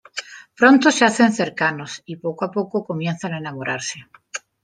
Pronto se hacen cercanos y poco a poco comienzan a enamorarse.